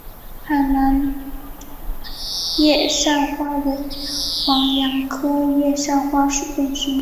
海南野扇花为黄杨科野扇花属的植物。